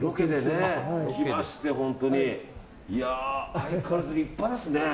相変わらず立派ですね。